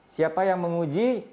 siapa yang menguji